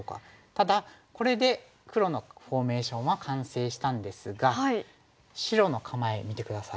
ただこれで黒のフォーメーションは完成したんですが白の構え見て下さい。